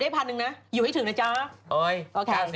ไปเหมือนกัน